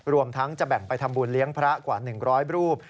รวมทั้งจะแบ่งไปทำบุญเลี้ยงพระกว่า๑๐๐รูป